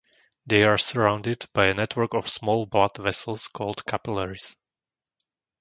They are surrounded by a network of small blood vessels called capillaries.